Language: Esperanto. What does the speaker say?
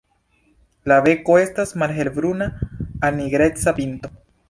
La beko estas malhelbruna al nigreca pinto.